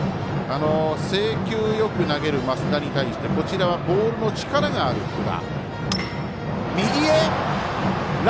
制球よく投げる増田に対してボールの力がある福田。